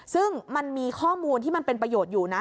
ซึ่งมันมีข้อมูลที่มันเป็นประโยชน์อยู่นะ